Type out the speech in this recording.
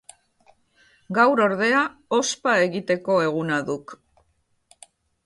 Gaur, ordea, ospa egiteko eguna duk.